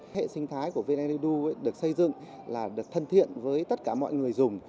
hệ sinh thái của vn edu được xây dựng là được thân thiện với tất cả mọi người dùng